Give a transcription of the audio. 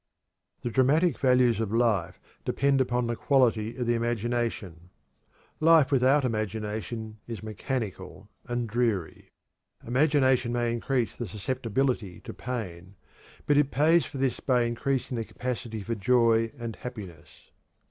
The dramatic values of life depend upon the quality of the imagination. Life without imagination is mechanical and dreary. Imagination may increase the susceptibility to pain, but it pays for this by increasing the capacity for joy and happiness.